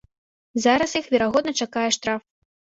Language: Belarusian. Зараз іх, верагодна, чакае штраф.